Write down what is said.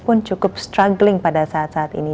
pun cukup struggling pada saat saat ini